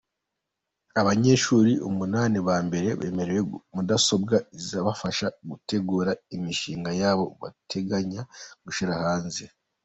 Abanyeshuri umunani ba mbere bemerewe mudasobwa izabafasha gutegura imishinga yabo bateganya gushyira hanze.